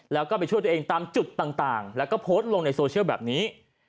แล้วก็ไปช่วยตัวเองตามจุดต่างแล้วก็โพสต์ลงในโซเชียลแบบนี้